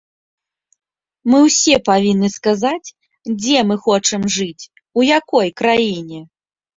Мы ўсе павінны сказаць, дзе мы хочам жыць, у якой краіне.